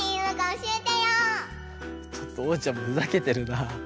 ちょっとおうちゃんもふざけてるなあ。